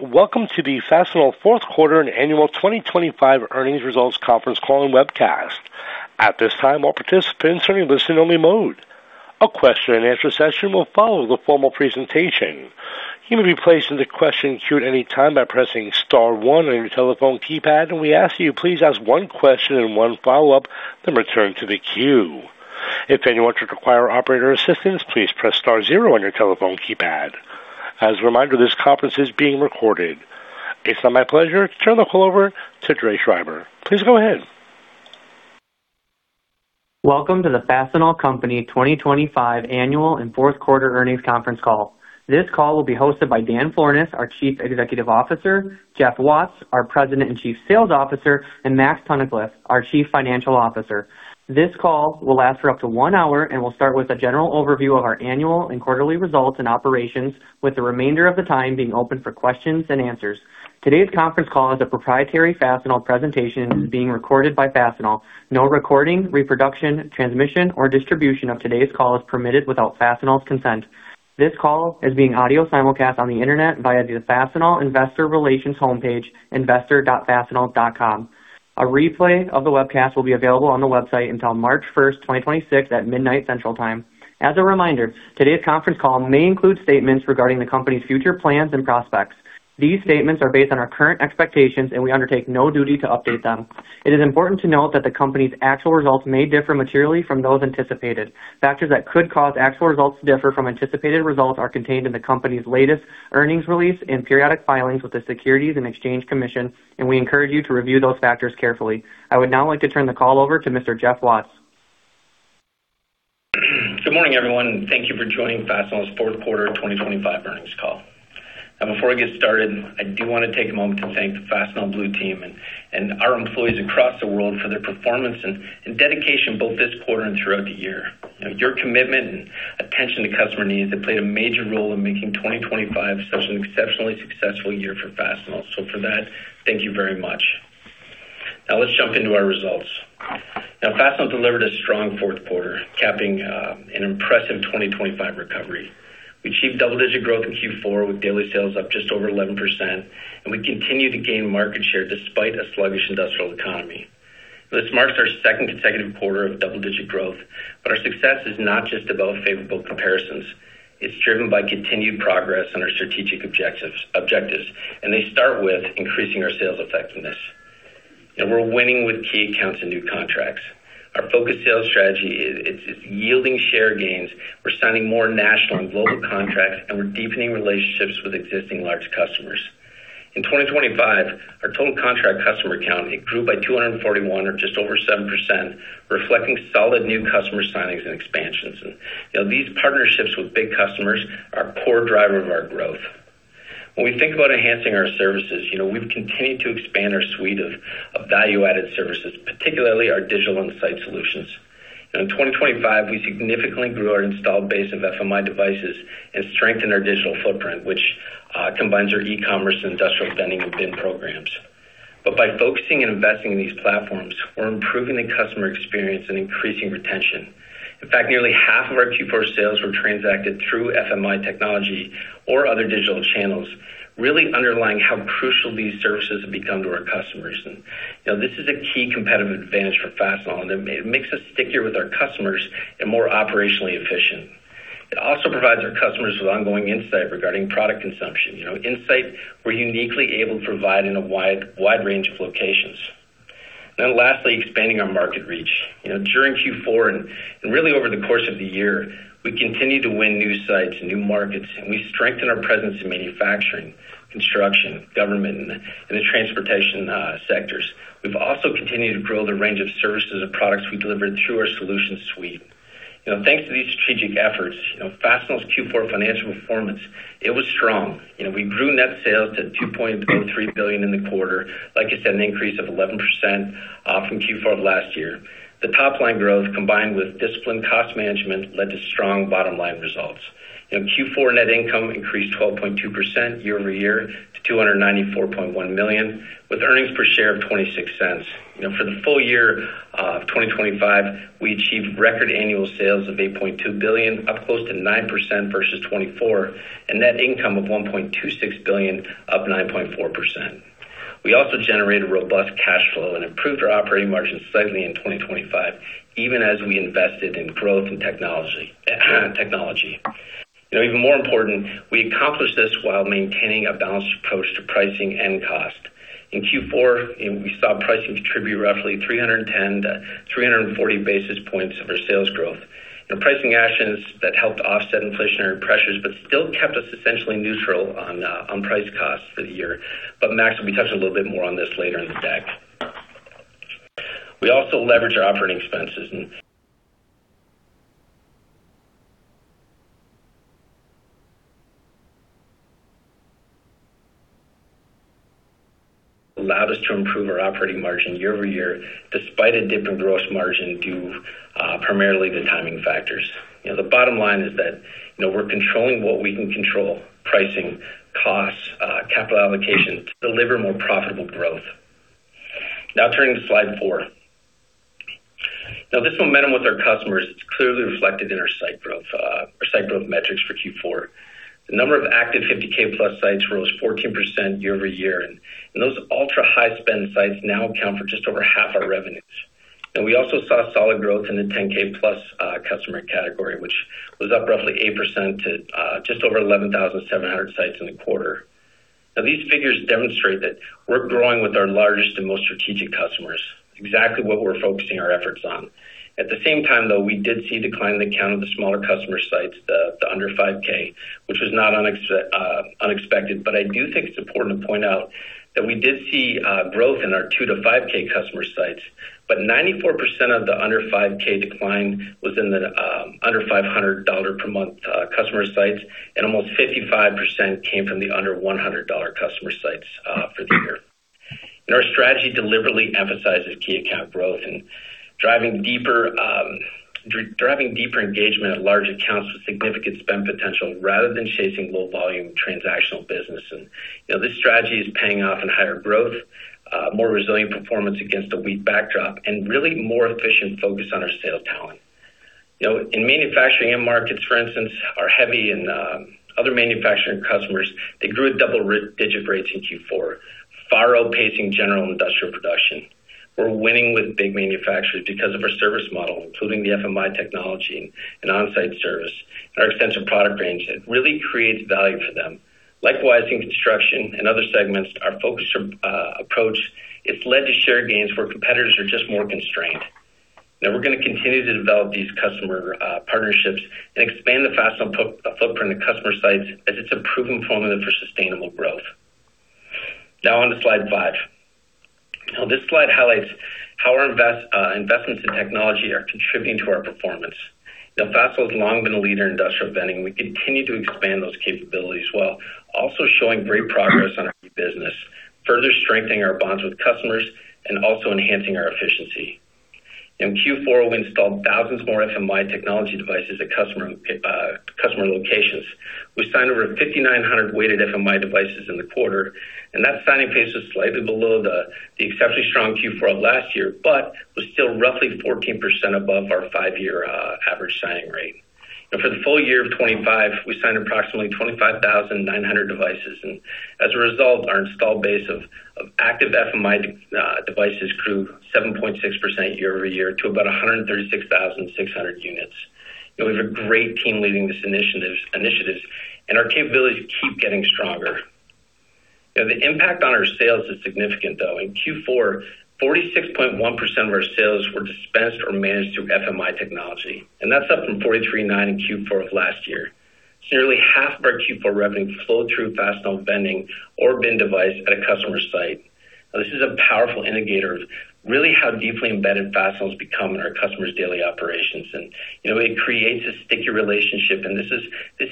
Welcome to the Fastenal Fourth Quarter and Annual 2025 Earnings Results Conference Call and Webcast. At this time, all participants are in listening-only mode. A question-and-answer session will follow the formal presentation. You may be placed into question queue at any time by pressing star one on your telephone keypad, and we ask that you please ask one question and one follow-up, then return to the queue. If anyone should require operator assistance, please press star zero on your telephone keypad. As a reminder, this conference is being recorded. It's now my pleasure to turn the call over to Dray Schreiber. Please go ahead. Welcome to the Fastenal Company 2025 annual and fourth quarter earnings conference call. This call will be hosted by Dan Florness, our Chief Executive Officer, Jeff Watts, our President and Chief Sales Officer, and Max Tunnicliff, our Chief Financial Officer. This call will last for up to one hour and will start with a general overview of our annual and quarterly results and operations, with the remainder of the time being open for questions and answers. Today's conference call is a proprietary Fastenal presentation and is being recorded by Fastenal. No recording, reproduction, transmission, or distribution of today's call is permitted without Fastenal's consent. This call is being audio simulcast on the Internet via the Fastenal Investor Relations homepage, investor.fastenal.com. A replay of the webcast will be available on the website until March 1st, 2026, at midnight Central Time. As a reminder, today's conference call may include statements regarding the company's future plans and prospects. These statements are based on our current expectations, and we undertake no duty to update them. It is important to note that the company's actual results may differ materially from those anticipated. Factors that could cause actual results to differ from anticipated results are contained in the company's latest earnings release and periodic filings with the Securities and Exchange Commission, and we encourage you to review those factors carefully. I would now like to turn the call over to Mr. Jeff Watts. Good morning, everyone, and thank you for joining Fastenal's Fourth Quarter 2025 Earnings Call. Now, before we get started, I do want to take a moment to thank the Fastenal Blue Team and our employees across the world for their performance and dedication both this quarter and throughout the year. Your commitment and attention to customer needs have played a major role in making 2025 such an exceptionally successful year for Fastenal. So for that, thank you very much. Now, let's jump into our results. Now, Fastenal delivered a strong fourth quarter, capping an impressive 2025 recovery. We achieved double-digit growth in Q4, with daily sales up just over 11%, and we continue to gain market share despite a sluggish industrial economy. This marks our second consecutive quarter of double-digit growth, but our success is not just about favorable comparisons. It's driven by continued progress on our strategic objectives, and they start with increasing our sales effectiveness. We're winning with key accounts and new contracts. Our focused sales strategy is yielding share gains. We're signing more national and global contracts, and we're deepening relationships with existing large customers. In 2025, our total contract customer count grew by 241, or just over 7%, reflecting solid new customer signings and expansions. These partnerships with big customers are a core driver of our growth. When we think about enhancing our services, we've continued to expand our suite of value-added services, particularly our digital insight solutions. In 2025, we significantly grew our installed base of FMI devices and strengthened our digital footprint, which combines our e-commerce and industrial vending and bin programs. But by focusing and investing in these platforms, we're improving the customer experience and increasing retention. In fact, nearly half of our Q4 sales were transacted through FMI technology or other digital channels, really underlying how crucial these services have become to our customers. This is a key competitive advantage for Fastenal, and it makes us stickier with our customers and more operationally efficient. It also provides our customers with ongoing insight regarding product consumption, insight we're uniquely able to provide in a wide range of locations. Then lastly, expanding our market reach. During Q4 and really over the course of the year, we continue to win new sites and new markets, and we strengthen our presence in manufacturing, construction, government, and the transportation sectors. We've also continued to grow the range of services and products we deliver through our solution suite. Thanks to these strategic efforts, Fastenal's Q4 financial performance. It was strong. We grew net sales to $2.03 billion in the quarter, like I said, an increase of 11% from Q4 of last year. The top-line growth, combined with disciplined cost management, led to strong bottom-line results. Q4 net income increased 12.2% year-over-year to $294.1 million, with earnings per share of $0.26. For the full year of 2025, we achieved record annual sales of $8.2 billion, up close to 9% versus 2024, and net income of $1.26 billion, up 9.4%. We also generated robust cash flow and improved our operating margin slightly in 2025, even as we invested in growth and technology. Even more important, we accomplished this while maintaining a balanced approach to pricing and cost. In Q4, we saw pricing contribute roughly 310-340 basis points of our sales growth. Pricing actions that helped offset inflationary pressures, but still kept us essentially neutral on price-cost for the year. But Max, we'll be touching a little bit more on this later in the deck. We also leveraged our operating expenses and allowed us to improve our operating margin year-over-year, despite a dip in gross margin due primarily to timing factors. The bottom line is that we're controlling what we can control: pricing, costs, capital allocation. Deliver more profitable growth. Now, turning to slide four. Now, this momentum with our customers is clearly reflected in our site growth, our site growth metrics for Q4. The number of active $50k+ sites rose 14% year-over-year, and those ultra-high spend sites now account for just over half our revenues. Now, we also saw solid growth in the $10k+ customer category, which was up roughly 8% to just over 11,700 sites in the quarter. Now, these figures demonstrate that we're growing with our largest and most strategic customers, exactly what we're focusing our efforts on. At the same time, though, we did see a decline in the count of the smaller customer sites, the under $5k, which was not unexpected. But I do think it's important to point out that we did see growth in our 2k to 5k customer sites, but 94% of the under $5k decline was in the under $500 per month customer sites, and almost 55% came from the under $100 customer sites for the year. Our strategy deliberately emphasizes key account growth and driving deeper engagement at large accounts with significant spend potential rather than chasing low-volume transactional business. This strategy is paying off in higher growth, more resilient performance against a weak backdrop, and really more efficient focus on our sales talent. In manufacturing and markets, for instance, our heavy and other manufacturing customers, they grew at double-digit rates in Q4, far outpacing general industrial production. We're winning with big manufacturers because of our service model, including the FMI technology and on-site service, and our extensive product range. It really creates value for them. Likewise, in construction and other segments, our focused approach has led to share gains where competitors are just more constrained. Now, we're going to continue to develop these customer partnerships and expand the Fastenal footprint and customer sites as it's a proven formula for sustainable growth. Now, on to slide five. This slide highlights how our investments in technology are contributing to our performance. Fastenal has long been a leader in industrial vending. We continue to expand those capabilities while also showing great progress on our business, further strengthening our bonds with customers and also enhancing our efficiency. In Q4, we installed thousands more FMI technology devices at customer locations. We signed over 5,900 weighted FMI devices in the quarter, and that signing pace was slightly below the exceptionally strong Q4 of last year, but was still roughly 14% above our five-year average signing rate. For the full year of 2025, we signed approximately 25,900 devices, and as a result, our installed base of active FMI devices grew 7.6% year-over-year to about 136,600 units. We have a great team leading these initiatives, and our capabilities keep getting stronger. The impact on our sales is significant, though. In Q4, 46.1% of our sales were dispensed or managed through FMI technology, and that's up from 43.9% in Q4 of last year. Nearly half of our Q4 revenue flowed through Fastenal vending or bin device at a customer site. Now, this is a powerful indicator of really how deeply embedded Fastenal has become in our customers' daily operations, and it creates a sticky relationship, and this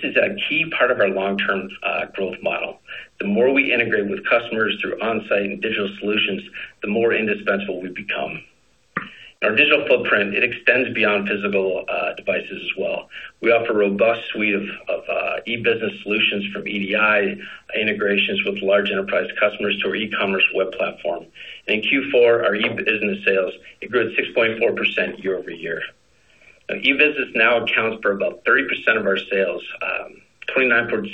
is a key part of our long-term growth model. The more we integrate with customers through on-site and digital solutions, the more indispensable we become. Our digital footprint extends beyond physical devices as well. We offer a robust suite of e-business solutions from EDI integrations with large enterprise customers to our e-commerce web platform. In Q4, our e-business sales grew at 6.4% year-over-year. E-business now accounts for about 30% of our sales, 29.6%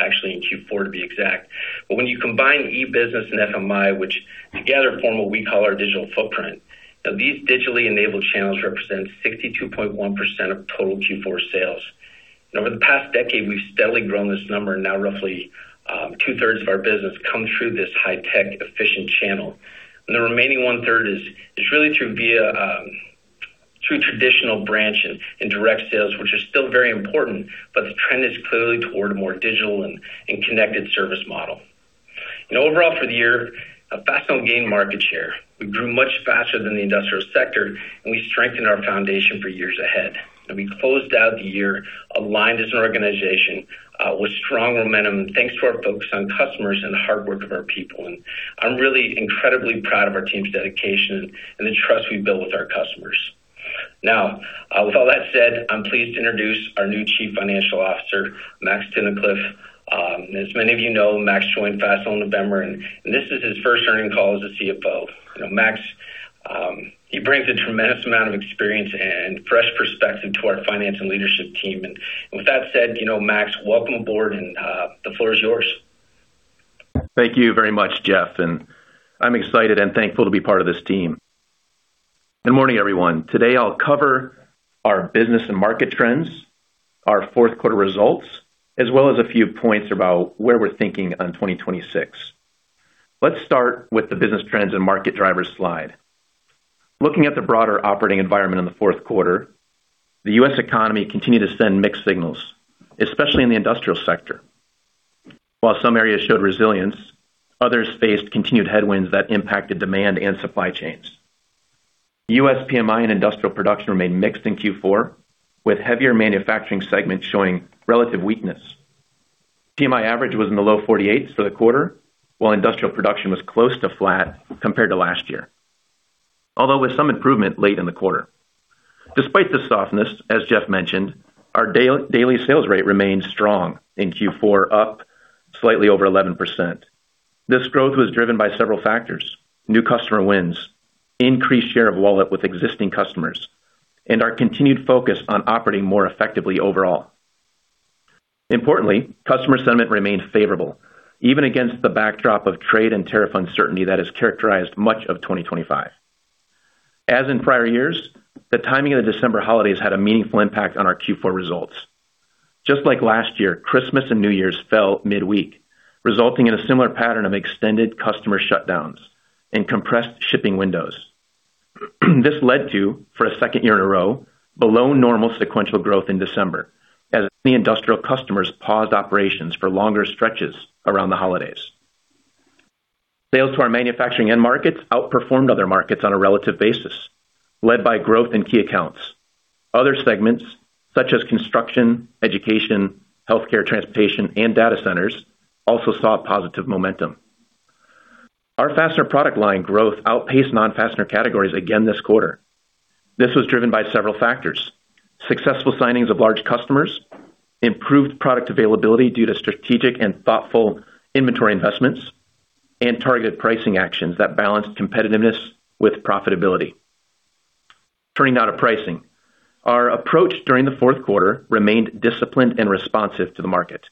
actually in Q4, to be exact. But when you combine e-business and FMI, which together form what we call our digital footprint, these digitally enabled channels represent 62.1% of total Q4 sales. Over the past decade, we've steadily grown this number, and now roughly 2/3s of our business comes through this high-tech, efficient channel. The remaining 1/3 is really through traditional branch and direct sales, which are still very important, but the trend is clearly toward a more digital and connected service model. Overall, for the year, Fastenal gained market share. We grew much faster than the industrial sector, and we strengthened our foundation for years ahead. We closed out the year aligned as an organization with strong momentum thanks to our focus on customers and the hard work of our people. I'm really incredibly proud of our team's dedication and the trust we build with our customers. Now, with all that said, I'm pleased to introduce our new Chief Financial Officer, Max Tunnicliff. As many of you know, Max joined Fastenal in November, and this is his first earnings call as a CFO. Max, you bring a tremendous amount of experience and fresh perspective to our finance and leadership team, and with that said, Max, welcome aboard, and the floor is yours. Thank you very much, Jeff, and I'm excited and thankful to be part of this team. Good morning, everyone. Today, I'll cover our business and market trends, our fourth quarter results, as well as a few points about where we're thinking on 2026. Let's start with the business trends and market drivers slide. Looking at the broader operating environment in the fourth quarter, the U.S. economy continued to send mixed signals, especially in the industrial sector. While some areas showed resilience, others faced continued headwinds that impacted demand and supply chains. U.S. PMI and industrial production remained mixed in Q4, with heavier manufacturing segments showing relative weakness. PMI average was in the low 48s for the quarter, while industrial production was close to flat compared to last year, although with some improvement late in the quarter. Despite the softness, as Jeff mentioned, our daily sales rate remained strong in Q4, up slightly over 11%. This growth was driven by several factors: new customer wins, increased share of wallet with existing customers, and our continued focus on operating more effectively overall. Importantly, customer sentiment remained favorable, even against the backdrop of trade and tariff uncertainty that has characterized much of 2025. As in prior years, the timing of the December holidays had a meaningful impact on our Q4 results. Just like last year, Christmas and New Year's fell midweek, resulting in a similar pattern of extended customer shutdowns and compressed shipping windows. This led to, for a second year in a row, below normal sequential growth in December, as many industrial customers paused operations for longer stretches around the holidays. Sales to our manufacturing and markets outperformed other markets on a relative basis, led by growth in key accounts. Other segments, such as construction, education, healthcare, transportation, and data centers, also saw positive momentum. Our fastener product line growth outpaced non-fastener categories again this quarter. This was driven by several factors: successful signings of large customers, improved product availability due to strategic and thoughtful inventory investments, and targeted pricing actions that balanced competitiveness with profitability. Turning now to pricing, our approach during the fourth quarter remained disciplined and responsive to the market.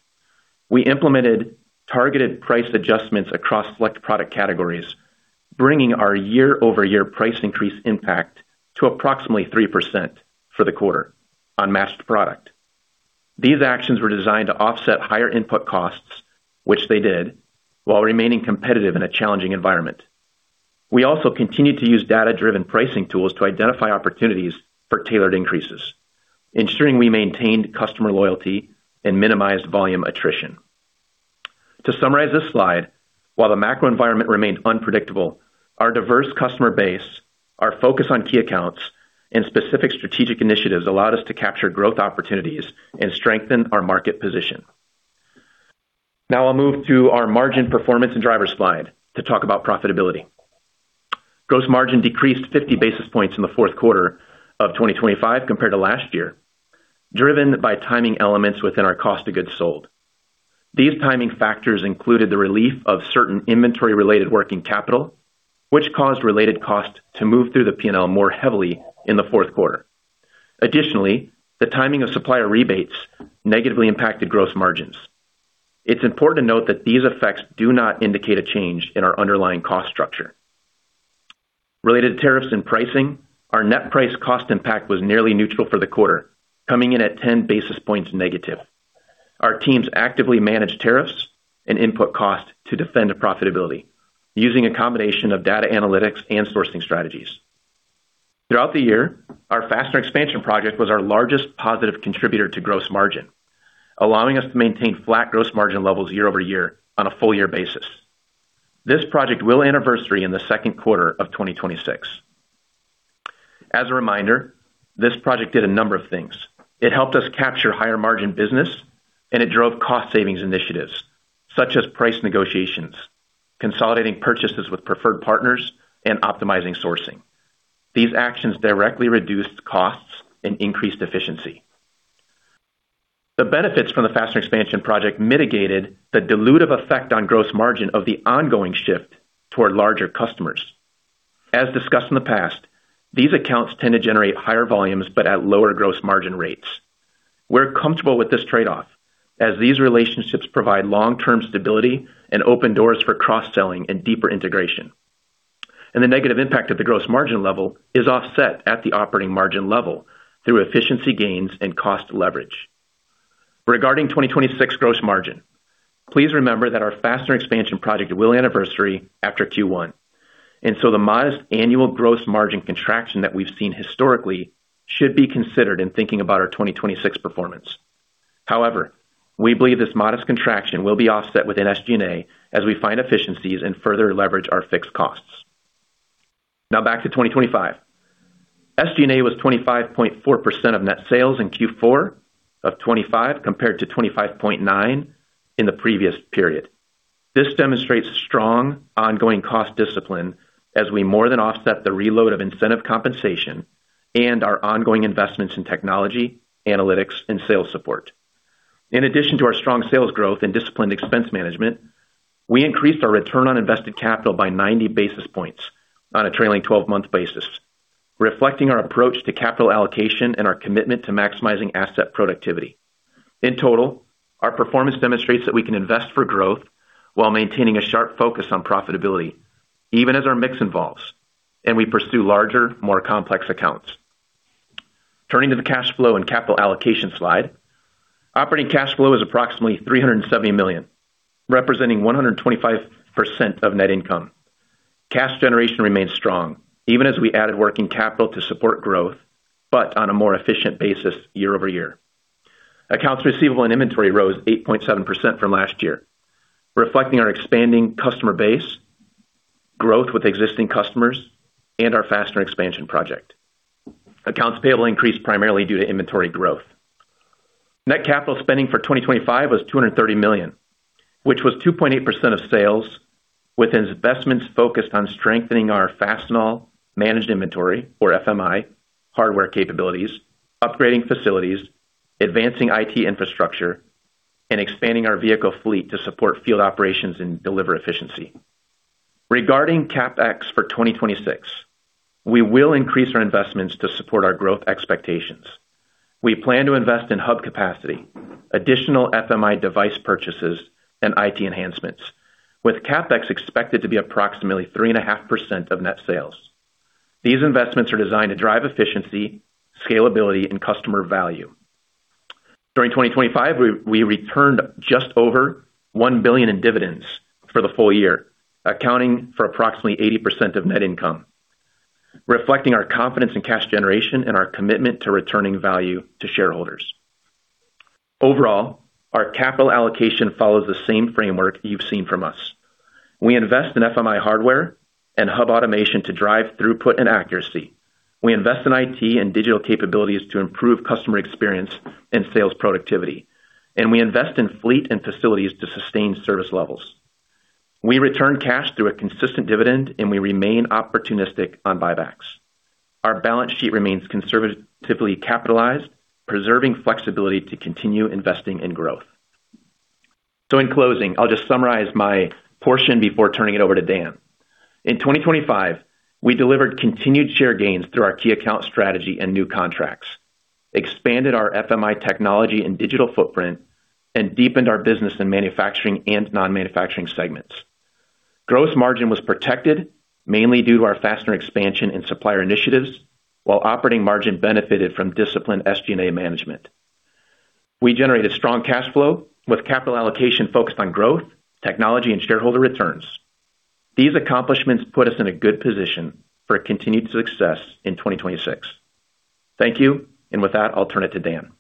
We implemented targeted price adjustments across select product categories, bringing our year-over-year price increase impact to approximately 3% for the quarter on matched product. These actions were designed to offset higher input costs, which they did, while remaining competitive in a challenging environment. We also continued to use data-driven pricing tools to identify opportunities for tailored increases, ensuring we maintained customer loyalty and minimized volume attrition. To summarize this slide, while the macro environment remained unpredictable, our diverse customer base, our focus on key accounts, and specific strategic initiatives allowed us to capture growth opportunities and strengthen our market position. Now, I'll move to our margin performance and driver slide to talk about profitability. Gross margin decreased 50 basis points in the fourth quarter of 2025 compared to last year, driven by timing elements within our cost of goods sold. These timing factors included the relief of certain inventory-related working capital, which caused related costs to move through the P&L more heavily in the fourth quarter. Additionally, the timing of supplier rebates negatively impacted gross margins. It's important to note that these effects do not indicate a change in our underlying cost structure. Related to tariffs and pricing, our net price-cost impact was nearly neutral for the quarter, coming in at 10 basis points negative. Our teams actively managed tariffs and input costs to defend profitability, using a combination of data analytics and sourcing strategies. Throughout the year, our fastener expansion project was our largest positive contributor to gross margin, allowing us to maintain flat gross margin levels year-over-year on a full-year basis. This project will anniversary in the second quarter of 2026. As a reminder, this project did a number of things. It helped us capture higher margin business, and it drove cost savings initiatives, such as price negotiations, consolidating purchases with preferred partners, and optimizing sourcing. These actions directly reduced costs and increased efficiency. The benefits from the fastener expansion project mitigated the dilutive effect on gross margin of the ongoing shift toward larger customers. As discussed in the past, these accounts tend to generate higher volumes but at lower gross margin rates. We're comfortable with this trade-off, as these relationships provide long-term stability and open doors for cross-selling and deeper integration. The negative impact of the gross margin level is offset at the operating margin level through efficiency gains and cost leverage. Regarding 2026 gross margin, please remember that our fastener expansion project will anniversary after Q1, and so the modest annual gross margin contraction that we've seen historically should be considered in thinking about our 2026 performance. However, we believe this modest contraction will be offset within SG&A as we find efficiencies and further leverage our fixed costs. Now, back to 2025. SG&A was 25.4% of net sales in Q4 of 2025 compared to 25.9% in the previous period. This demonstrates strong ongoing cost discipline as we more than offset the reload of incentive compensation and our ongoing investments in technology, analytics, and sales support. In addition to our strong sales growth and disciplined expense management, we increased our return on invested capital by 90 basis points on a trailing 12-month basis, reflecting our approach to capital allocation and our commitment to maximizing asset productivity. In total, our performance demonstrates that we can invest for growth while maintaining a sharp focus on profitability, even as our mix involves, and we pursue larger, more complex accounts. Turning to the cash flow and capital allocation slide, operating cash flow is approximately $370 million, representing 125% of net income. Cash generation remains strong, even as we added working capital to support growth, but on a more efficient basis year-over-year. Accounts receivable and inventory rose 8.7% from last year, reflecting our expanding customer base, growth with existing customers, and our fastener expansion project. Accounts payable increased primarily due to inventory growth. Net capital spending for 2025 was $230 million, which was 2.8% of sales, with investments focused on strengthening our Fastenal Managed Inventory, or FMI, hardware capabilities, upgrading facilities, advancing IT infrastructure, and expanding our vehicle fleet to support field operations and deliver efficiency. Regarding CapEx for 2026, we will increase our investments to support our growth expectations. We plan to invest in hub capacity, additional FMI device purchases, and IT enhancements, with CapEx expected to be approximately 3.5% of net sales. These investments are designed to drive efficiency, scalability, and customer value. During 2025, we returned just over $1 billion in dividends for the full year, accounting for approximately 80% of net income, reflecting our confidence in cash generation and our commitment to returning value to shareholders. Overall, our capital allocation follows the same framework you've seen from us. We invest in FMI hardware and hub automation to drive throughput and accuracy. We invest in IT and digital capabilities to improve customer experience and sales productivity, and we invest in fleet and facilities to sustain service levels. We return cash through a consistent dividend, and we remain opportunistic on buybacks. Our balance sheet remains conservatively capitalized, preserving flexibility to continue investing in growth. So in closing, I'll just summarize my portion before turning it over to Dan. In 2025, we delivered continued share gains through our key account strategy and new contracts, expanded our FMI technology and digital footprint, and deepened our business in manufacturing and non-manufacturing segments. Gross margin was protected, mainly due to our fastener expansion and supplier initiatives, while operating margin benefited from disciplined SG&A management. We generated strong cash flow with capital allocation focused on growth, technology, and shareholder returns. These accomplishments put us in a good position for continued success in 2026. Thank you, and with that, I'll turn it to Dan.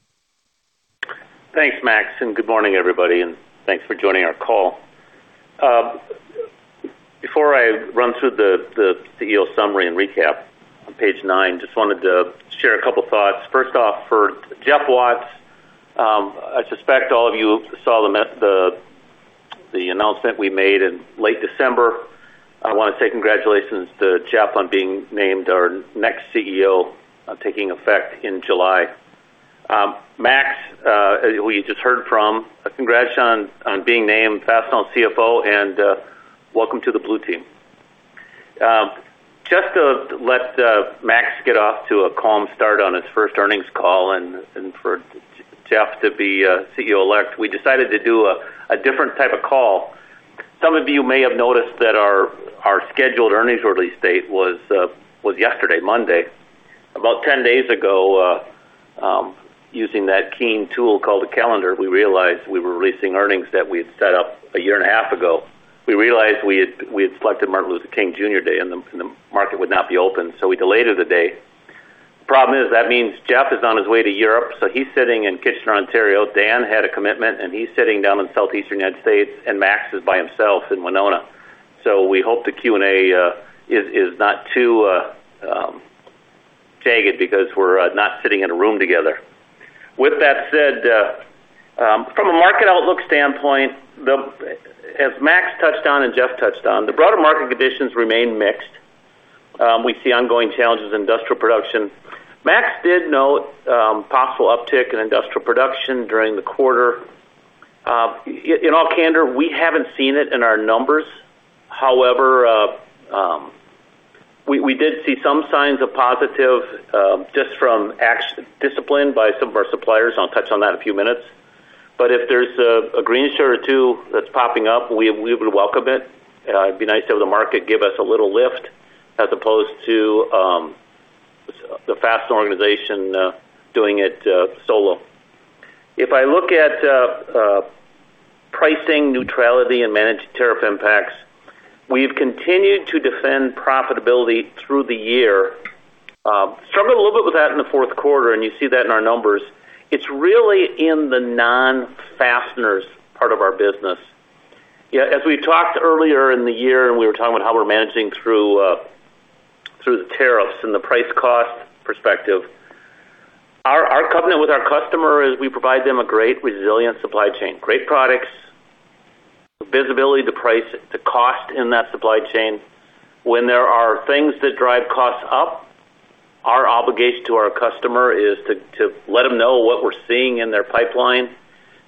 Thanks, Max, and good morning, everybody, and thanks for joining our call. Before I run through the CEO summary and recap on page nine, just wanted to share a couple of thoughts. First off, for Jeff Watts, I suspect all of you saw the announcement we made in late December. I want to say congratulations to Jeff on being named our next CEO taking effect in July. Max, who you just heard from, congrats on being named Fastenal CFO, and welcome to the Blue Team. Just to let Max get off to a calm start on his first earnings call and for Jeff to be CEO-elect, we decided to do a different type of call. Some of you may have noticed that our scheduled earnings release date was yesterday, Monday. About 10 days ago, using that keen tool called the calendar, we realized we were releasing earnings that we had set up a year and a half ago. We realized we had selected Martin Luther King Jr. Day and the market would not be open, so we delayed it a day. The problem is that means Jeff is on his way to Europe, so he's sitting in Kitchener, Ontario. Dan had a commitment, and he's sitting down in Southeastern United States, and Max is by himself in Winona. So we hope the Q&A is not too jagged because we're not sitting in a room together. With that said, from a market outlook standpoint, as Max touched on and Jeff touched on, the broader market conditions remain mixed. We see ongoing challenges in industrial production. Max did note possible uptick in industrial production during the quarter. In all candor, we haven't seen it in our numbers. However, we did see some signs of positive just from discipline by some of our suppliers. I'll touch on that in a few minutes. But if there's a green shoots or two that's popping up, we would welcome it. It'd be nice to have the market give us a little lift as opposed to the fastener organization doing it solo. If I look at pricing neutrality and managed tariff impacts, we've continued to defend profitability through the year. Struggled a little bit with that in the fourth quarter, and you see that in our numbers. It's really in the non-fasteners part of our business. As we talked earlier in the year and we were talking about how we're managing through the tariffs and the price cost perspective, our covenant with our customer is we provide them a great resilient supply chain, great products, visibility to price, to cost in that supply chain. When there are things that drive costs up, our obligation to our customer is to let them know what we're seeing in their pipeline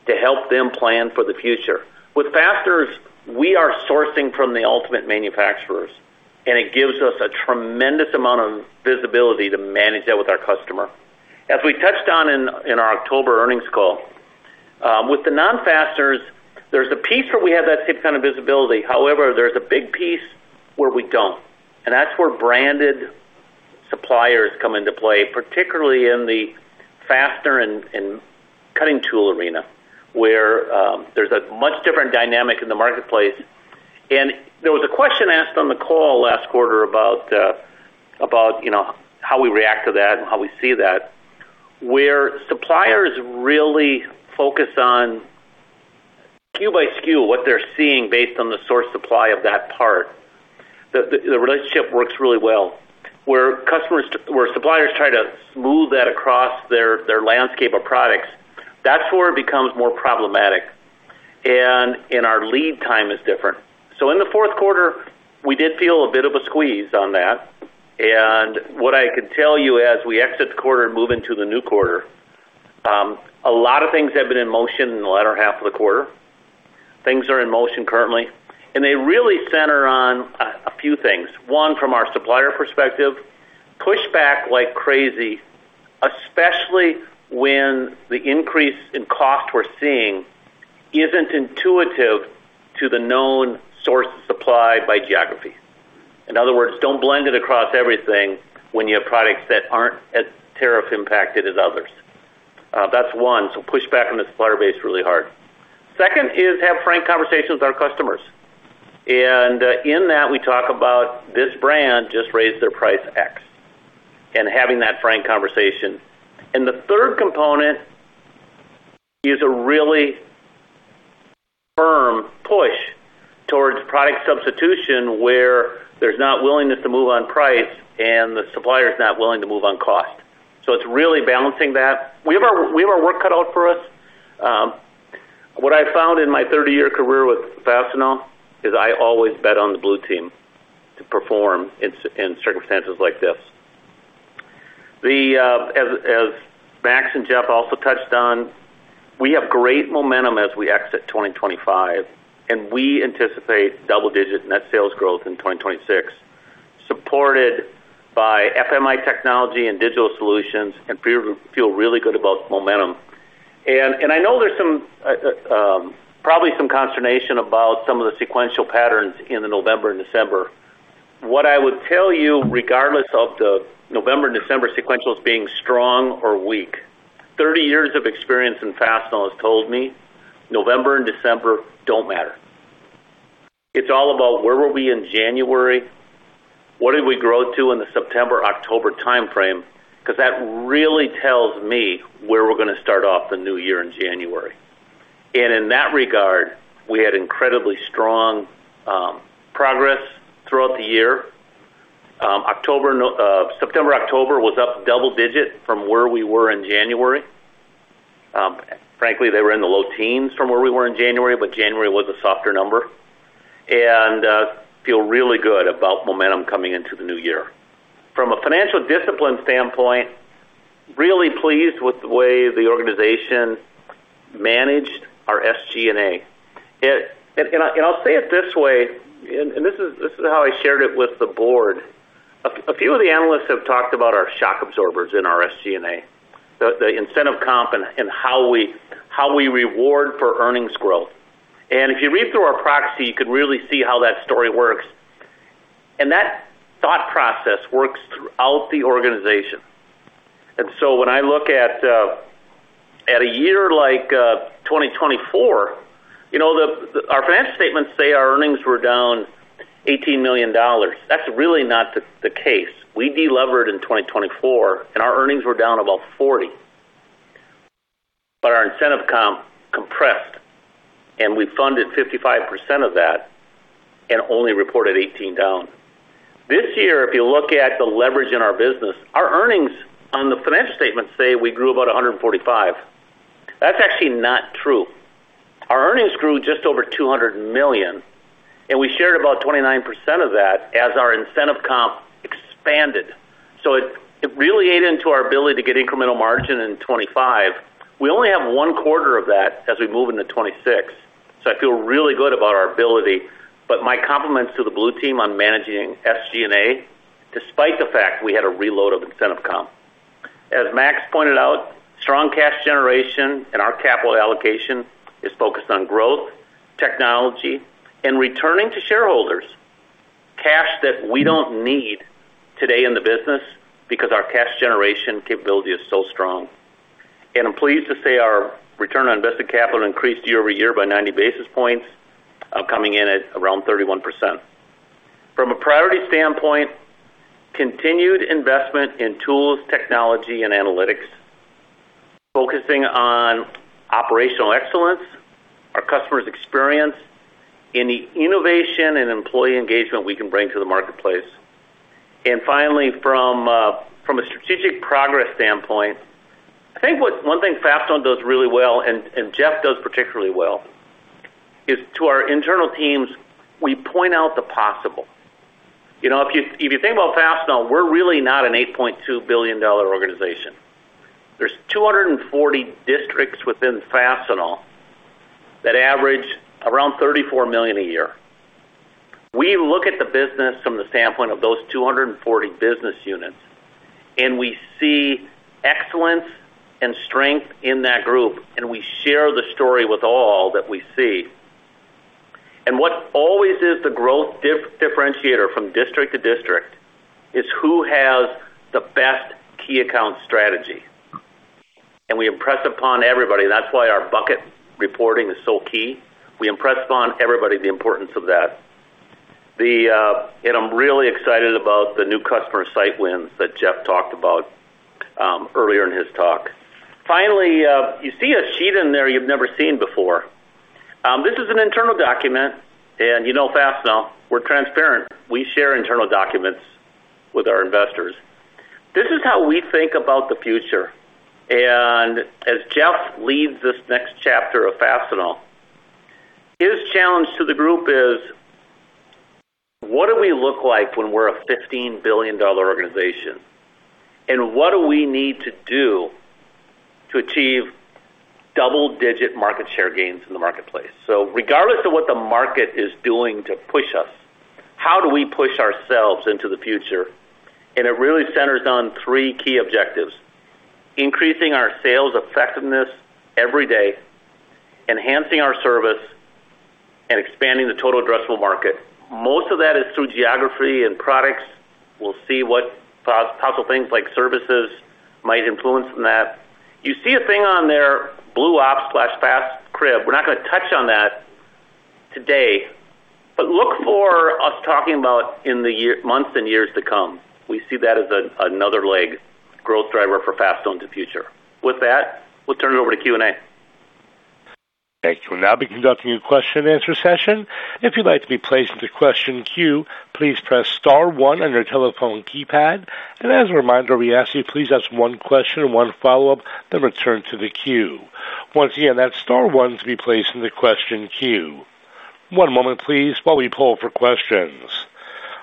to help them plan for the future. With fasteners, we are sourcing from the ultimate manufacturers, and it gives us a tremendous amount of visibility to manage that with our customer. As we touched on in our October earnings call, with the non-fasteners, there's a piece where we have that same kind of visibility. However, there's a big piece where we don't. And that's where branded suppliers come into play, particularly in the fastener and cutting tool arena, where there's a much different dynamic in the marketplace. And there was a question asked on the call last quarter about how we react to that and how we see that, where suppliers really focus on SKU by SKU what they're seeing based on the source supply of that part. The relationship works really well. Where suppliers try to smooth that across their landscape of products, that's where it becomes more problematic, and our lead time is different. So in the fourth quarter, we did feel a bit of a squeeze on that. And what I can tell you as we exit the quarter and move into the new quarter, a lot of things have been in motion in the latter half of the quarter. Things are in motion currently. They really center on a few things. One, from our supplier perspective, push back like crazy, especially when the increase in cost we're seeing isn't intuitive to the known source of supply by geography. In other words, don't blend it across everything when you have products that aren't as tariff impacted as others. That's one. So push back on the supplier base really hard. Second is have frank conversations with our customers. And in that, we talk about this brand just raised their price X and having that frank conversation. And the third component is a really firm push towards product substitution where there's not willingness to move on price and the supplier is not willing to move on cost. So it's really balancing that. We have our work cut out for us. What I found in my 30-year career with Fastenal is I always bet on the Blue Team to perform in circumstances like this. As Max and Jeff also touched on, we have great momentum as we exit 2025, and we anticipate double-digit net sales growth in 2026, supported by FMI technology and digital solutions, and feel really good about momentum. I know there's probably some consternation about some of the sequential patterns in the November and December. What I would tell you, regardless of the November and December sequentials being strong or weak, 30 years of experience in Fastenal has told me November and December don't matter. It's all about where were we in January, what did we grow to in the September, October timeframe, because that really tells me where we're going to start off the new year in January. In that regard, we had incredibly strong progress throughout the year. September, October was up double-digit from where we were in January. Frankly, they were in the low teens from where we were in January, but January was a softer number. I feel really good about momentum coming into the new year. From a financial discipline standpoint, really pleased with the way the organization managed our SG&A. I'll say it this way, and this is how I shared it with the board. A few of the analysts have talked about our shock absorbers in our SG&A, the incentive comp and how we reward for earnings growth. If you read through our proxy, you can really see how that story works. That thought process works throughout the organization. When I look at a year like 2024, our financial statements say our earnings were down $18 million. That's really not the case. We delevered in 2024, and our earnings were down about $40 million. But our incentive comp compressed, and we funded 55% of that and only reported $18 million down. This year, if you look at the leverage in our business, our earnings on the financial statements say we grew about $145 million. That's actually not true. Our earnings grew just over $200 million, and we shared about 29% of that as our incentive comp expanded. So it really ate into our ability to get incremental margin in 2025. We only have one quarter of that as we move into 2026. So I feel really good about our ability. But my compliments to the Blue Team on managing SG&A, despite the fact we had a reload of incentive comp. As Max pointed out, strong cash generation and our capital allocation is focused on growth, technology, and returning to shareholders cash that we don't need today in the business because our cash generation capability is so strong. I'm pleased to say our return on invested capital increased year-over-year by 90 basis points, coming in at around 31%. From a priority standpoint, continued investment in tools, technology, and analytics, focusing on operational excellence, our customer's experience, and the innovation and employee engagement we can bring to the marketplace. Finally, from a strategic progress standpoint, I think one thing Fastenal does really well, and Jeff does particularly well, is to our internal teams, we point out the possible. If you think about Fastenal, we're really not an $8.2 billion organization. There are 240 districts within Fastenal that average around $34 million a year. We look at the business from the standpoint of those 240 business units, and we see excellence and strength in that group, and we share the story with all that we see. And what always is the growth differentiator from district to district is who has the best key account strategy. And we impress upon everybody, and that's why our bucket reporting is so key. We impress upon everybody the importance of that. And I'm really excited about the new customer site wins that Jeff talked about earlier in his talk. Finally, you see a slide in there you've never seen before. This is an internal document, and you know Fastenal, we're transparent. We share internal documents with our investors. This is how we think about the future. As Jeff leads this next chapter of Fastenal, his challenge to the group is, what do we look like when we're a $15 billion organization? What do we need to do to achieve double-digit market share gains in the marketplace? Regardless of what the market is doing to push us, how do we push ourselves into the future? It really centers on three key objectives: increasing our sales effectiveness every day, enhancing our service, and expanding the total addressable market. Most of that is through geography and products. We'll see what possible things like services might influence in that. You see a thing on there, Blue Ops/FASTCrib. We're not going to touch on that today, but look for us talking about in the months and years to come. We see that as another leg growth driver for Fastenal in the future. With that, we'll turn it over to Q&A. Thanks. We'll now be conducting a question-and-answer session. If you'd like to be placed into question queue, please press star one on your telephone keypad. And as a reminder, we ask you to please ask one question and one follow-up then return to the queue. Once again, that's star one to be placed into question queue. One moment, please, while we pull for questions.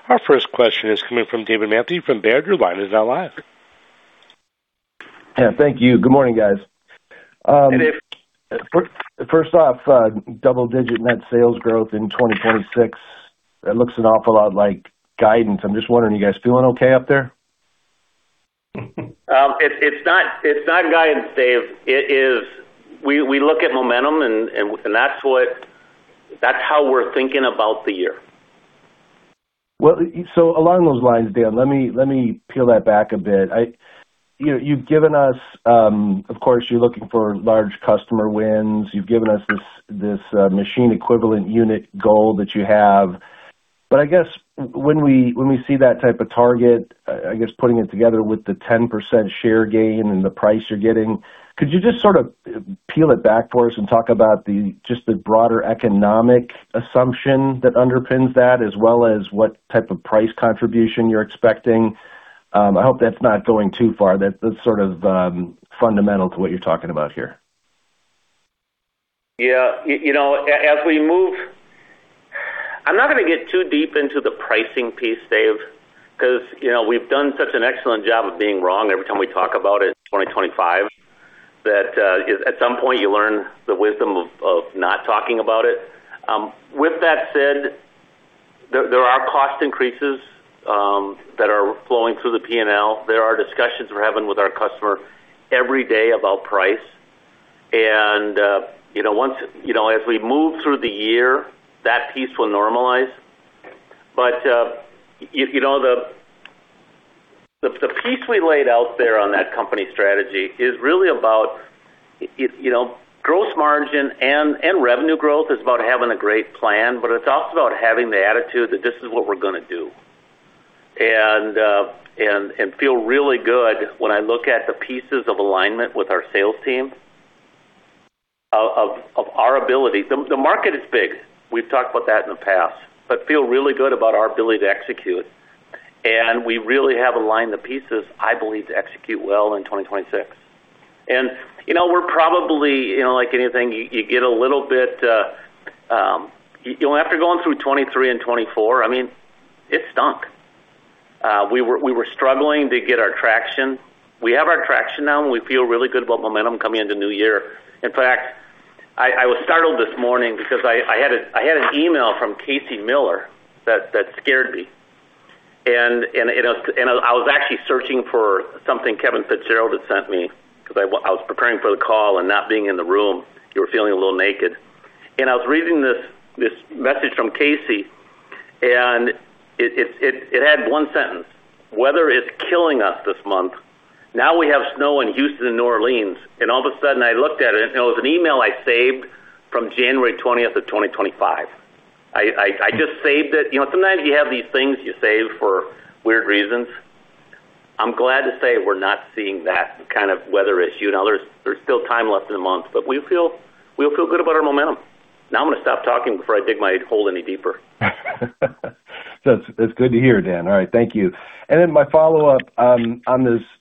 Our first question is coming from David Manthey from Baird. Yeah, thank you. Good morning, guys. Hey, Dave. First off, double-digit net sales growth in 2026. That looks an awful lot like guidance. I'm just wondering, are you guys feeling okay up there? It's not guidance, Dave. We look at momentum, and that's how we're thinking about the year. Well, so along those lines, Dan, let me peel that back a bit. You've given us, of course, you're looking for large customer wins. You've given us this machine-equivalent unit goal that you have. But I guess when we see that type of target, I guess putting it together with the 10% share gain and the price you're getting, could you just sort of peel it back for us and talk about just the broader economic assumption that underpins that, as well as what type of price contribution you're expecting? I hope that's not going too far. That's sort of fundamental to what you're talking about here. Yeah. As we move, I'm not going to get too deep into the pricing piece, Dave, because we've done such an excellent job of being wrong every time we talk about it in 2025 that at some point you learn the wisdom of not talking about it. With that said, there are cost increases that are flowing through the P&L. There are discussions we're having with our customer every day about price, and once as we move through the year, that piece will normalize, but the piece we laid out there on that company strategy is really about gross margin and revenue growth is about having a great plan, but it's also about having the attitude that this is what we're going to do, and feel really good when I look at the pieces of alignment with our sales team of our ability. The market is big. We've talked about that in the past, but feel really good about our ability to execute, and we really have aligned the pieces, I believe, to execute well in 2026, and we're probably, like anything, you get a little bit after going through 2023 and 2024, I mean, it stunk. We were struggling to get our traction. We have our traction now, and we feel really good about momentum coming into the new year. In fact, I was startled this morning because I had an email from Casey Miller that scared me. And I was actually searching for something Kevin Fitzgerald had sent me because I was preparing for the call and not being in the room. You were feeling a little naked. And I was reading this message from Casey, and it had one sentence: "Weather's killing us this month." Now we have snow in Houston and New Orleans. And all of a sudden, I looked at it, and it was an email I saved from January 20th of 2025. I just saved it. Sometimes you have these things you save for weird reasons. I'm glad to say we're not seeing that kind of weather issue. There's still time left in the month, but we'll feel good about our momentum. Now I'm going to stop talking before I dig my hole any deeper. That's good to hear, Dan. All right. Thank you. And then my follow-up on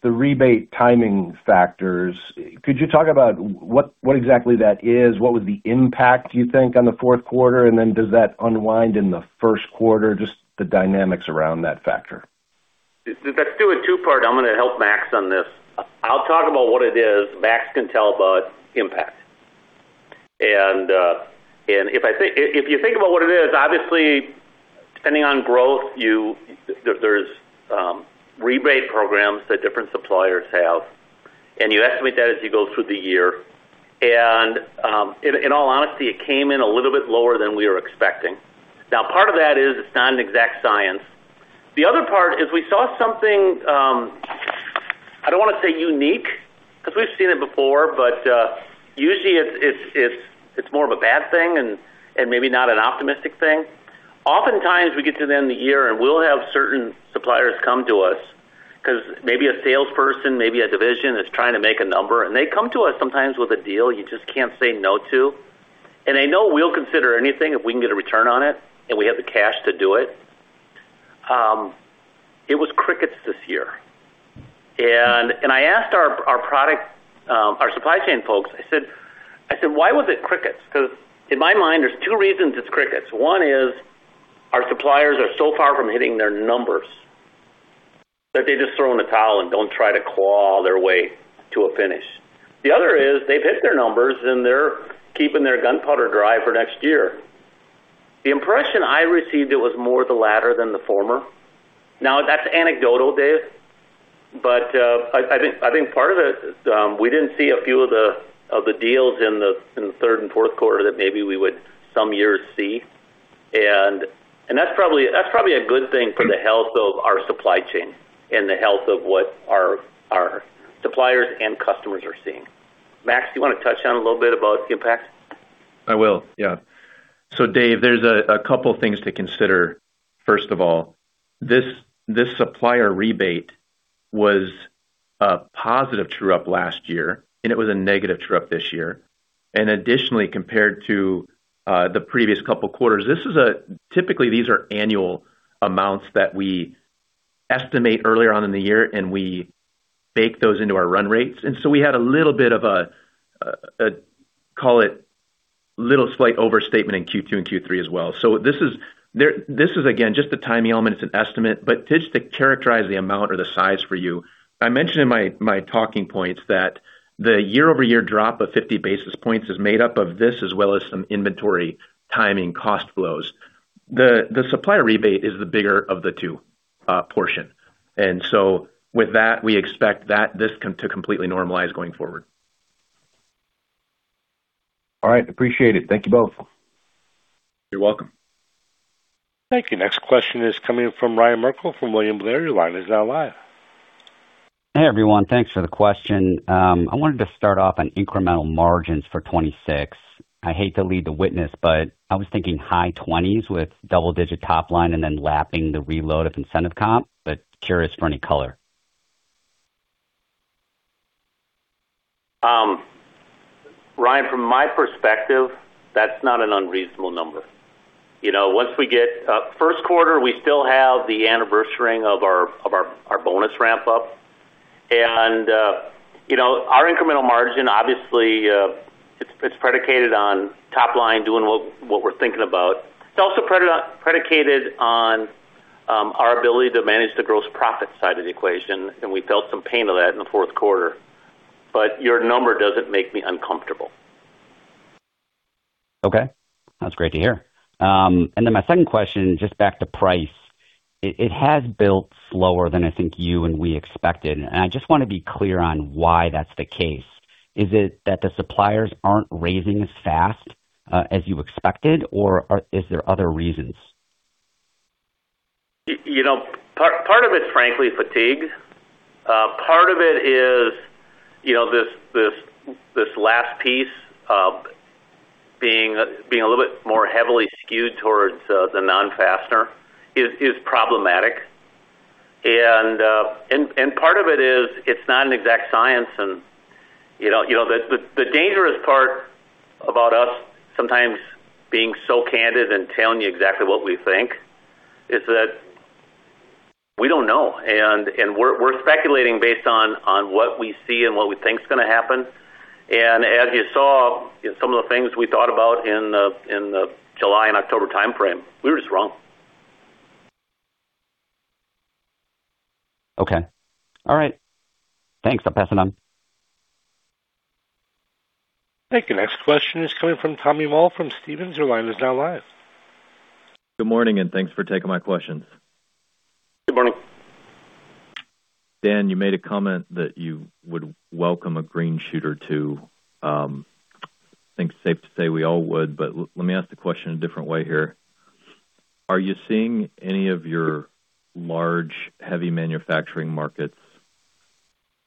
the rebate timing factors. Could you talk about what exactly that is? What was the impact, you think, on the fourth quarter? And then does that unwind in the first quarter? Just the dynamics around that factor. That's a two-part. I'm going to help Max on this. I'll talk about what it is. Max can tell about impact. And if you think about what it is, obviously, depending on growth, there's rebate programs that different suppliers have, and you estimate that as you go through the year. And in all honesty, it came in a little bit lower than we were expecting. Now, part of that is it's not an exact science. The other part is we saw something I don't want to say unique because we've seen it before, but usually, it's more of a bad thing and maybe not an optimistic thing. Oftentimes, we get to the end of the year, and we'll have certain suppliers come to us because maybe a salesperson, maybe a division is trying to make a number. And they come to us sometimes with a deal you just can't say no to. And I know we'll consider anything if we can get a return on it and we have the cash to do it. It was crickets this year. And I asked our supply chain folks, I said, "Why was it crickets?" Because in my mind, there's two reasons it's crickets. One is our suppliers are so far from hitting their numbers that they just throw in the towel and don't try to claw their way to a finish. The other is they've hit their numbers, and they're keeping their gunpowder dry for next year. The impression I received it was more the latter than the former. Now, that's anecdotal, Dave, but I think part of it, we didn't see a few of the deals in the third and fourth quarter that maybe we would some years see, and that's probably a good thing for the health of our supply chain and the health of what our suppliers and customers are seeing. Max, do you want to touch on a little bit about the impact? I will. Yeah. So, Dave, there's a couple of things to consider. First of all, this supplier rebate was a positive true-up last year, and it was a negative true-up this year, and additionally, compared to the previous couple of quarters, this is a typically, these are annual amounts that we estimate earlier on in the year, and we bake those into our run rates, and so we had a little bit of a, call it little slight overstatement in Q2 and Q3 as well, so this is, again, just a timing element. It's an estimate, but just to characterize the amount or the size for you, I mentioned in my talking points that the year-over-year drop of 50 basis points is made up of this as well as some inventory timing cost flows. The supplier rebate is the bigger of the two portion, and so with that, we expect that this to completely normalize going forward. All right. Appreciate it. Thank you both. You're welcome. Thank you. Next question is coming from Ryan Merkel from William Blair. Your line is now live. Hey, everyone. Thanks for the question. I wanted to start off on incremental margins for 2026. I hate to lead the witness, but I was thinking high 20s with double-digit top line and then lapping the reload of incentive comp, but curious for any color. Ryan, from my perspective, that's not an unreasonable number. Once we get first quarter, we still have the anniversary of our bonus ramp-up. And our incremental margin, obviously, it's predicated on top line doing what we're thinking about. It's also predicated on our ability to manage the gross profit side of the equation, and we felt some pain of that in the fourth quarter. But your number doesn't make me uncomfortable. Okay. That's great to hear. And then my second question, just back to price, it has built slower than I think you and we expected. And I just want to be clear on why that's the case. Is it that the suppliers aren't raising as fast as you expected, or is there other reasons? Part of it's, frankly, fatigue. Part of it is this last piece being a little bit more heavily skewed towards the non-fastener is problematic. And part of it is it's not an exact science. And the dangerous part about us sometimes being so candid and telling you exactly what we think is that we don't know. And we're speculating based on what we see and what we think is going to happen. And as you saw, some of the things we thought about in the July and October timeframe, we were just wrong. Okay. All right. Thanks. I'll pass it on. Thank you. Next question is coming from Tommy Moll from Stephens. Your line is now live. Good morning, and thanks for taking my questions. Good morning. Dan, you made a comment that you would welcome green shoots too. I think it's safe to say we all would, but let me ask the question a different way here. Are you seeing any of your large heavy manufacturing markets,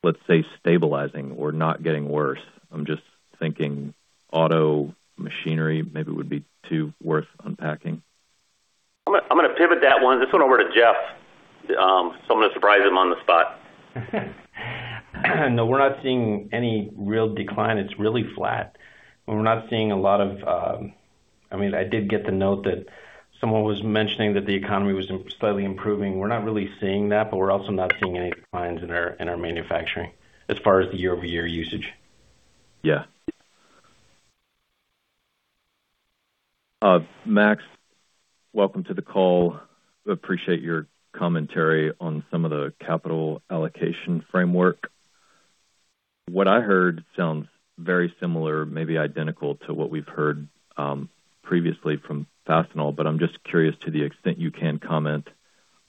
let's say, stabilizing or not getting worse? I'm just thinking auto, machinery, maybe would be worth unpacking. I'm going to pivot that one. This one over to Jeff. So I'm going to surprise him on the spot. No, we're not seeing any real decline. It's really flat. We're not seeing a lot of, I mean, I did get the note that someone was mentioning that the economy was slightly improving. We're not really seeing that, but we're also not seeing any declines in our manufacturing as far as the year-over-year usage. Yeah. Max, welcome to the call. Appreciate your commentary on some of the capital allocation framework. What I heard sounds very similar, maybe identical to what we've heard previously from Fastenal, but I'm just curious to the extent you can comment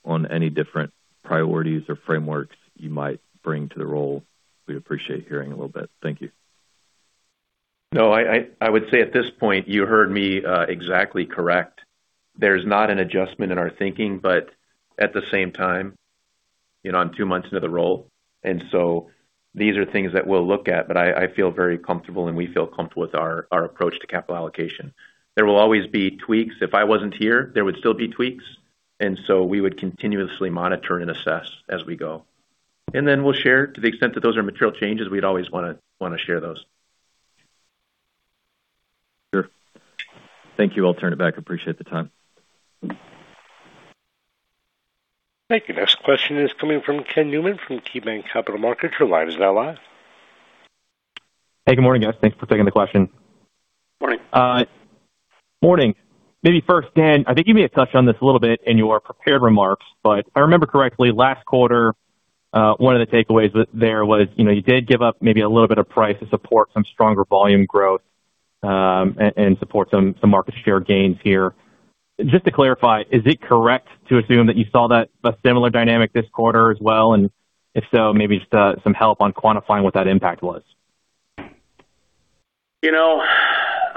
on any different priorities or frameworks you might bring to the role. We appreciate hearing a little bit. Thank you. No, I would say at this point, you heard me exactly correct. There's not an adjustment in our thinking, but at the same time, I'm two months into the role. And so these are things that we'll look at, but I feel very comfortable, and we feel comfortable with our approach to capital allocation. There will always be tweaks. If I wasn't here, there would still be tweaks. And so we would continuously monitor and assess as we go. And then we'll share to the extent that those are material changes. We'd always want to share those. Sure. Thank you. I'll turn it back. Appreciate the time. Thank you. Next question is coming from Ken Newman from KeyBanc Capital Markets. Your line is now live. Hey, good morning, guys. Thanks for taking the question. Morning. Morning. Maybe first, Dan, I think you may have touched on this a little bit in your prepared remarks, but if I remember correctly, last quarter, one of the takeaways there was you did give up maybe a little bit of price to support some stronger volume growth and support some market share gains here. Just to clarify, is it correct to assume that you saw a similar dynamic this quarter as well? And if so, maybe just some help on quantifying what that impact was.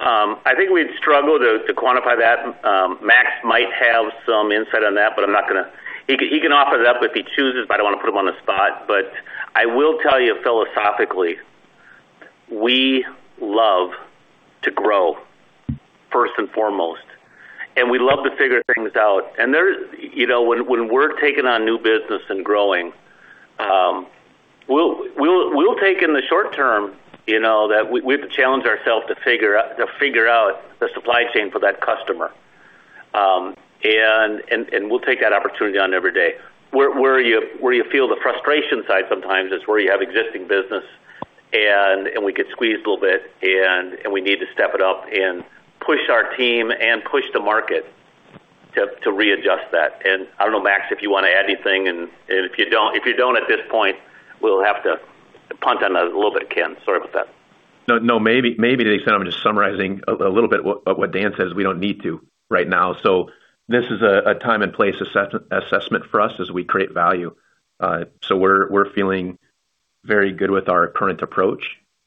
I think we'd struggle to quantify that. Max might have some insight on that, but I'm not going to. He can offer that if he chooses, but I don't want to put him on the spot. But I will tell you philosophically, we love to grow first and foremost, and we love to figure things out. And when we're taking on new business and growing, we'll take, in the short term, that we have to challenge ourselves to figure out the supply chain for that customer. And we'll take that opportunity on every day. Where you feel the frustration side sometimes is where you have existing business, and we get squeezed a little bit, and we need to step it up and push our team and push the market to readjust that. And I don't know, Max, if you want to add anything, and if you don't at this point, we'll have to punt on a little bit, Ken. Sorry about that. No, maybe to the extent I'm just summarizing a little bit of what Dan says, we don't need to right now. So this is a time and place assessment for us as we create value. So we're feeling very good with our current approach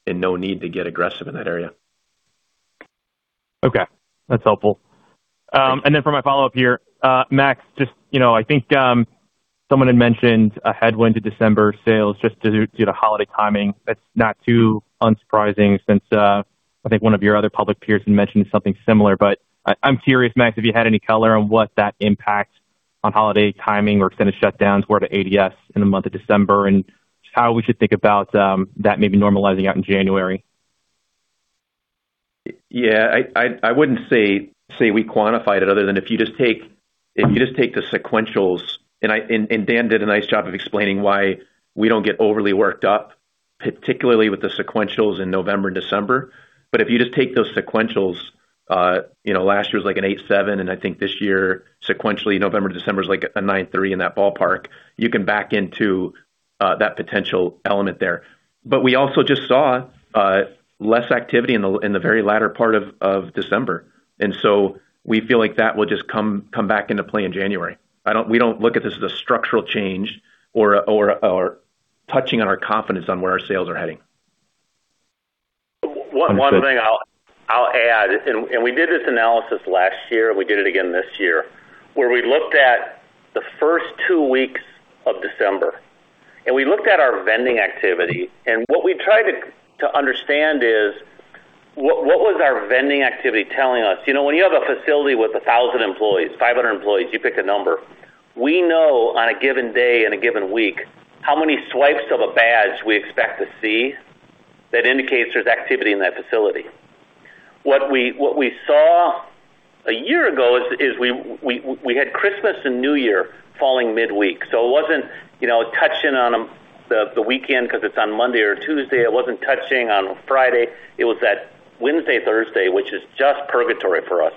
and no need to get aggressive in that area. Okay. That's helpful. And then for my follow-up here, Max, just I think someone had mentioned a headwind to December sales just due to holiday timing. That's not too unsurprising since I think one of your other public peers had mentioned something similar. But I'm curious, Max, if you had any color on what that impact on holiday timing or extended shutdowns were to ADS in the month of December and how we should think about that maybe normalizing out in January. Yeah. I wouldn't say we quantified it other than if you just take the sequentials, and Dan did a nice job of explaining why we don't get overly worked up, particularly with the sequentials in November and December. But if you just take those sequentials, last year was like an 8.7, and I think this year, sequentially, November to December is like a 9.3 in that ballpark. You can back into that potential element there. But we also just saw less activity in the very latter part of December. And so we feel like that will just come back into play in January. We don't look at this as a structural change or touching on our confidence on where our sales are heading. One thing I'll add, and we did this analysis last year, and we did it again this year, where we looked at the first two weeks of December and we looked at our vending activity, and what we tried to understand is what was our vending activity telling us? When you have a facility with 1,000 employees, 500 employees, you pick a number, we know on a given day and a given week how many swipes of a badge we expect to see that indicates there's activity in that facility. What we saw a year ago is we had Christmas and New Year falling midweek, so it wasn't touching on the weekend because it's on Monday or Tuesday. It wasn't touching on Friday. It was that Wednesday, Thursday, which is just purgatory for us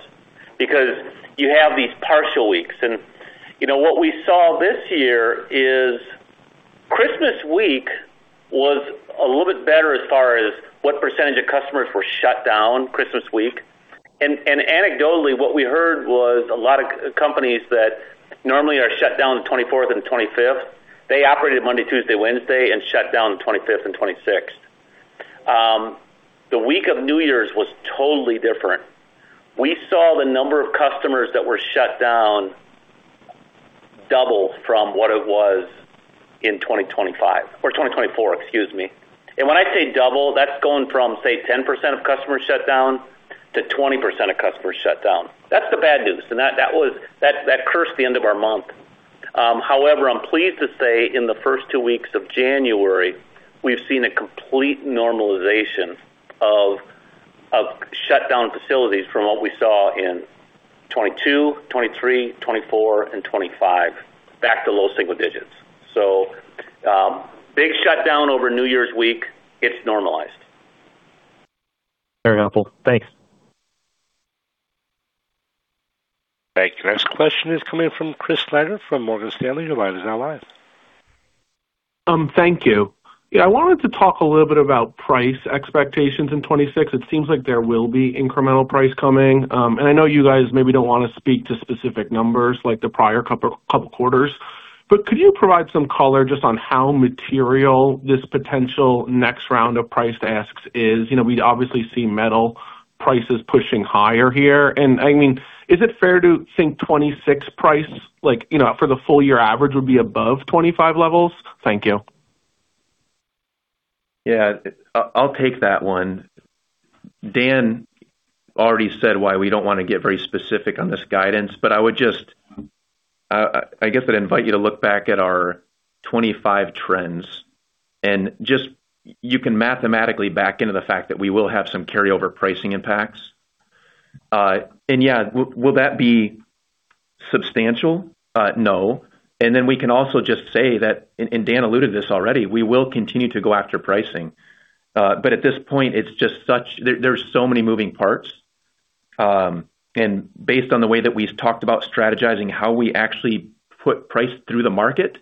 because you have these partial weeks. And what we saw this year is Christmas week was a little bit better as far as what percentage of customers were shut down Christmas week. And anecdotally, what we heard was a lot of companies that normally are shut down the 24th and 25th, they operated Monday, Tuesday, Wednesday, and shut down the 25th and 26th. The week of New Year's was totally different. We saw the number of customers that were shut down double from what it was in 2025 or 2024, excuse me. And when I say double, that's going from, say, 10% of customers shut down to 20% of customers shut down. That's the bad news. And that cursed the end of our month. However, I'm pleased to say in the first two weeks of January, we've seen a complete normalization of shutdown facilities from what we saw in 2022, 2023, 2024, and 2025, back to low single digits. So big shutdown over New Year's week. It's normalized. Very helpful. Thanks. Thank you. Next question is coming from Chris Snyder from Morgan Stanley. Your line is now live. Thank you. I wanted to talk a little bit about price expectations in 2026. It seems like there will be incremental price coming. And I know you guys maybe don't want to speak to specific numbers like the prior couple quarters, but could you provide some color just on how material this potential next round of price asks is? We obviously see metal prices pushing higher here. I mean, is it fair to think 2026 price for the full year average would be above 2025 levels? Thank you. Yeah. I'll take that one. Dan already said why we don't want to get very specific on this guidance, but I would just, I guess, invite you to look back at our 2025 trends. And just you can mathematically back into the fact that we will have some carryover pricing impacts. And yeah, will that be substantial? No. And then we can also just say that, and Dan alluded to this already, we will continue to go after pricing. But at this point, it's just such there's so many moving parts. And based on the way that we've talked about strategizing how we actually put price through the market,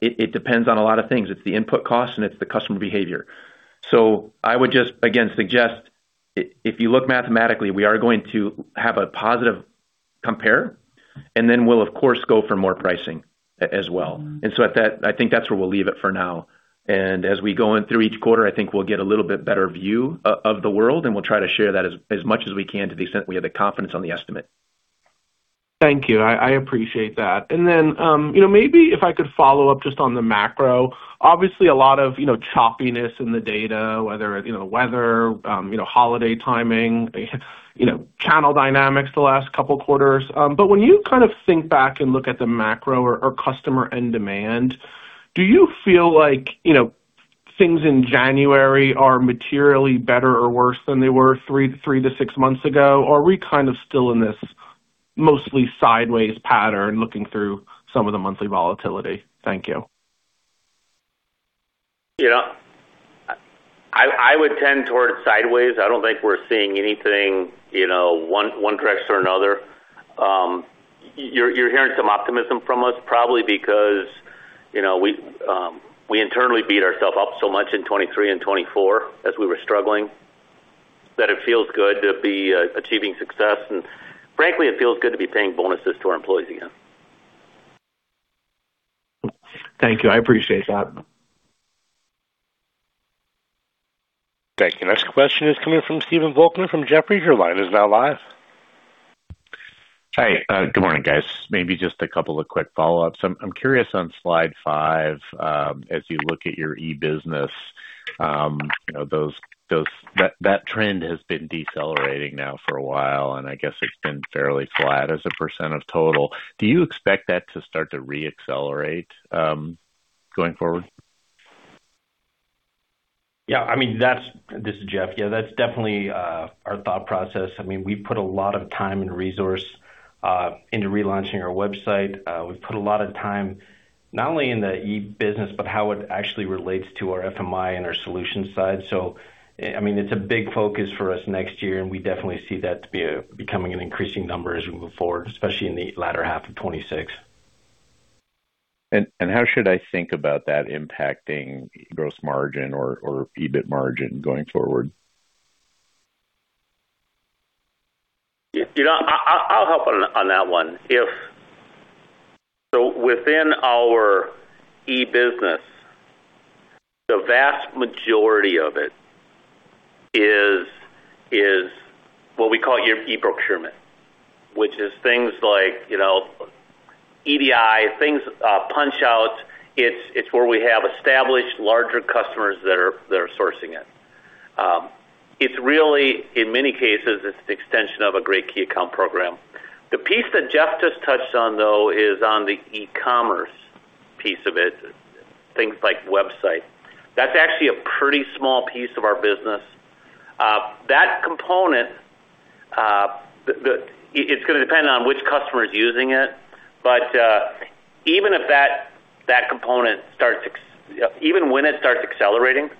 it depends on a lot of things. It's the input costs, and it's the customer behavior. So I would just, again, suggest if you look mathematically, we are going to have a positive compare, and then we'll, of course, go for more pricing as well. And so I think that's where we'll leave it for now. And as we go through each quarter, I think we'll get a little bit better view of the world, and we'll try to share that as much as we can to the extent we have the confidence on the estimate. Thank you. I appreciate that. And then maybe if I could follow up just on the macro, obviously a lot of choppiness in the data, whether weather, holiday timing, channel dynamics the last couple quarters. But when you kind of think back and look at the macro or customer end demand, do you feel like things in January are materially better or worse than they were three to six months ago, or are we kind of still in this mostly sideways pattern looking through some of the monthly volatility? Thank you. I would tend towards sideways. I don't think we're seeing anything one direction or another. You're hearing some optimism from us, probably because we internally beat ourselves up so much in 2023 and 2024 as we were struggling that it feels good to be achieving success. And frankly, it feels good to be paying bonuses to our employees again. Thank you. I appreciate that. Thank you. Next question is coming from Stephen Volkmann from Jefferies. Your line is now live. Hi. Good morning, guys. Maybe just a couple of quick follow-ups. I'm curious on slide five as you look at your e-business. That trend has been decelerating now for a while, and I guess it's been fairly flat as a percent of total. Do you expect that to start to re-accelerate going forward? Yeah. I mean, this is Jeff. Yeah, that's definitely our thought process. I mean, we've put a lot of time and resource into relaunching our website. We've put a lot of time not only in the e-business, but how it actually relates to our FMI and our solution side. So I mean, it's a big focus for us next year, and we definitely see that becoming an increasing number as we move forward, especially in the latter half of 2026. And how should I think about that impacting gross margin or EBIT margin going forward? I'll help on that one. So within our e-business, the vast majority of it is what we call your e-procurement, which is things like EDI, things like punchouts. It's where we have established larger customers that are sourcing it. It's really, in many cases, it's the extension of a great key account program. The piece that Jeff just touched on, though, is on the e-commerce piece of it, things like website. That's actually a pretty small piece of our business. That component, it's going to depend on which customer is using it. But even if that component starts, even when it starts accelerating,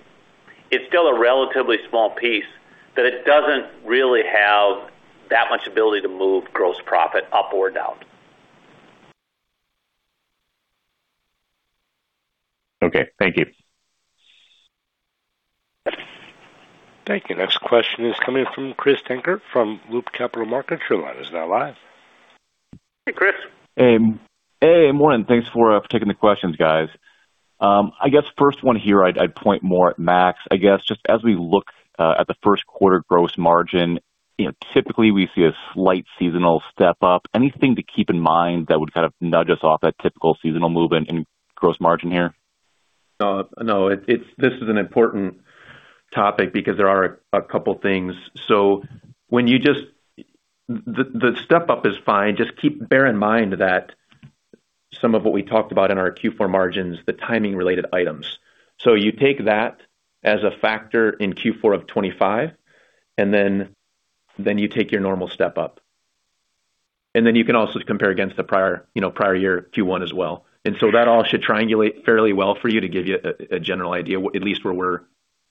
it's still a relatively small piece that it doesn't really have that much ability to move gross profit up or down. Okay. Thank you. Thank you. Next question is coming from Chris Dankert from Loop Capital Markets. Your line is now live. Hey, Chris. Hey. Hey. Morning. Thanks for taking the questions, guys. I guess first one here, I'd point more at Max, I guess, just as we look at the first quarter gross margin, typically we see a slight seasonal step up. Anything to keep in mind that would kind of nudge us off that typical seasonal movement in gross margin here? No. No. This is an important topic because there are a couple of things. So when you just, the step up is fine. Just bear in mind that some of what we talked about in our Q4 margins, the timing-related items. So you take that as a factor in Q4 of 2025, and then you take your normal step up. And then you can also compare against the prior year Q1 as well. And so that all should triangulate fairly well for you to give you a general idea, at least where we're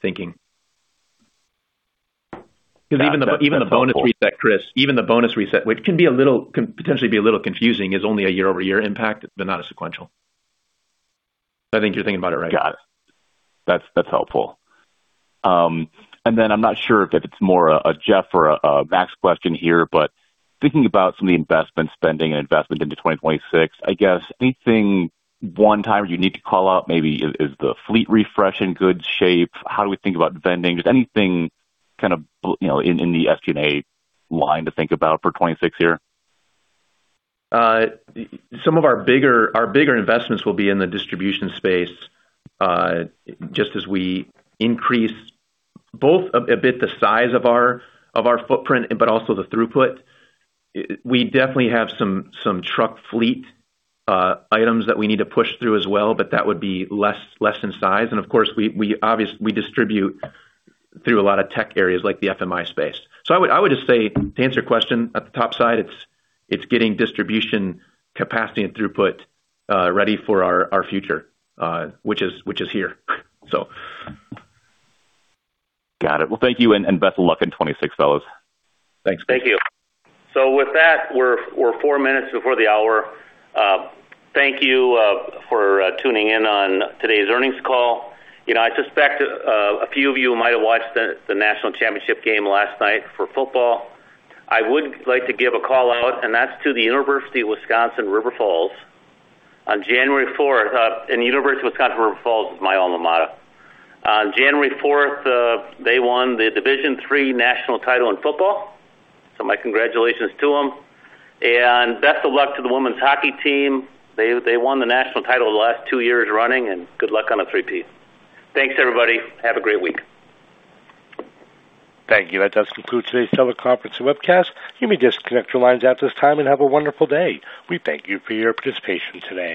thinking. Because even the bonus reset, Chris, even the bonus reset, which can potentially be a little confusing, is only a year-over-year impact, but not a sequential. I think you're thinking about it right. Got it. That's helpful. And then I'm not sure if it's more a Jeff or a Max question here, but thinking about some of the investment spending and investment into 2026, I guess anything one-time or unique to call out maybe is the fleet refresh and good shape. How do we think about vending? Just anything kind of in the SG&A line to think about for 2026 here? Some of our bigger investments will be in the distribution space just as we increase both a bit the size of our footprint, but also the throughput. We definitely have some truck fleet items that we need to push through as well, but that would be less in size. And of course, we distribute through a lot of tech areas like the FMI space. So I would just say, to answer your question, at the top side, it's getting distribution capacity and throughput ready for our future, which is here, so. Got it. Well, thank you and best of luck in 2026, fellows. Thanks. Thank you. So with that, we're four minutes before the hour. Thank you for tuning in on today's earnings call. I suspect a few of you might have watched the national championship game last night for football. I would like to give a call out, and that's to the University of Wisconsin-River Falls on January 4th, and the University of Wisconsin-River Falls is my alma mater. On January 4th, they won the Division III national title in football. So my congratulations to them. And best of luck to the women's hockey team. They won the national title the last two years running, and good luck on a three-peat. Thanks, everybody. Have a great week. Thank you. That does conclude today's teleconference and webcast. You may just disconnect your lines at this time and have a wonderful day. We thank you for your participation today.